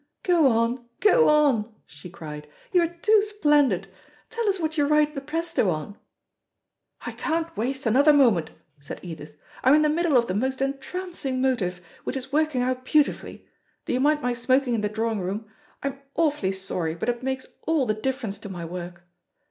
"Go on, go on," she cried, "you are too splendid. Tell us what you write the presto on." "I can't waste another moment," said Edith. "I'm in the middle of the most entrancing motif, which is working out beautifully. Do you mind my smoking in the drawing room? I am awfully sorry, but it makes all the difference to my work.